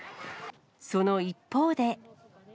その一方で。